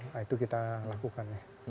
nah itu kita lakukan